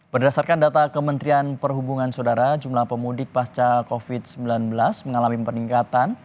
berdasarkan data kementerian perhubungan saudara jumlah pemudik pasca covid sembilan belas mengalami peningkatan